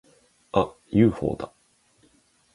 あっ！ユーフォーだ！